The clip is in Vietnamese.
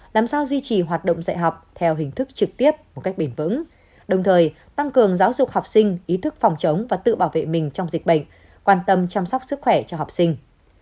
làm sao duy trì hoạt động dạy học theo hình thức trực tiếp một cách bền vững đồng thời tăng cường giáo dục học sinh ý thức phòng chống và tự bảo vệ mình trong dịch bệnh quan tâm chăm sóc sức khỏe cho học sinh